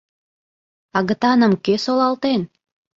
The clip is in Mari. — Агытаным кӧ солалтен?